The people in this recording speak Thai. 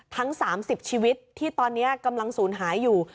ทั้ง๓๐ชีวิตที่ตอนนี้กำลังศูนย์หายอยู่